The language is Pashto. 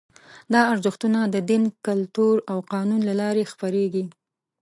دا ارزښتونه د دین، کلتور او قانون له لارې خپرېږي.